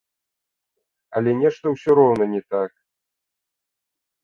Але нешта ўсё роўна не так.